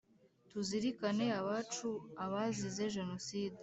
tuzirikane abacu abazize jenoside,